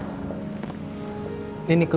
tante yang sabar